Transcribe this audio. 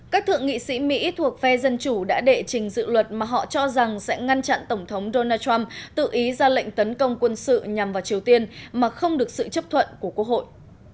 các thượng nghị sĩ mỹ thuộc phe dân chủ đã đệ trình dự luật mà họ cho rằng sẽ ngăn chặn tổng thống donald trump tự ý ra lệnh tấn công quân sự nhằm vào triều tiên mà không được sự chấp thuận của quốc hội